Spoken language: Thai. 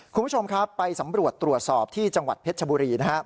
คุณผู้ชมครับไปสำรวจตรวจสอบที่จังหวัดเพชรชบุรีนะครับ